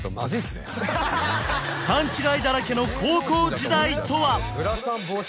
勘違いだらけの高校時代とは？